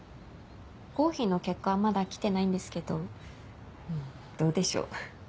合否の結果はまだ来てないんですけどどうでしょう。